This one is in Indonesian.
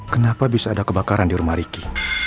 kenapa bisa ada kebakaran di rumah riki